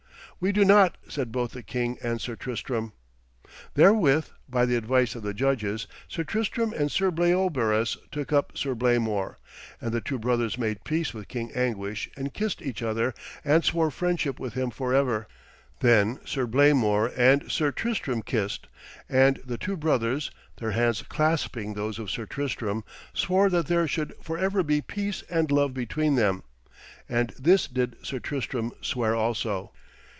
'We do not,' said both the king and Sir Tristram. Therewith, by the advice of the judges, Sir Tristram and Sir Bleobaris took up Sir Blamor; and the two brothers made peace with King Anguish and kissed each other and swore friendship with him for ever. Then Sir Blamor and Sir Tristram kissed, and the two brothers, their hands clasping those of Sir Tristram, swore that there should for ever be peace and love between them; and this did Sir Tristram swear also.